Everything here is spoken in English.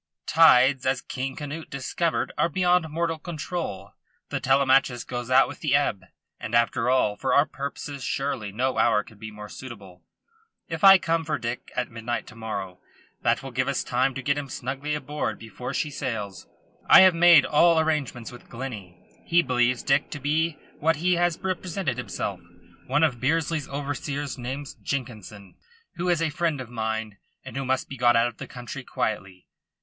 "Tides, as King Canute discovered, are beyond mortal control. The Telemachus goes out with the ebb. And, after all, for our purposes surely no hour could be more suitable. If I come for Dick at midnight tomorrow that will just give us time to get him snugly aboard before she sails. I have made all arrangements with Glennie. He believes Dick to be what he has represented himself one of Bearsley's overseers named Jenkinson, who is a friend of mine and who must be got out of the country quietly.